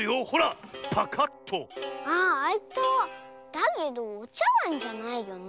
だけどおちゃわんじゃないよね。